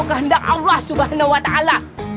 itu kehendak allah subhanahu wa ta'ala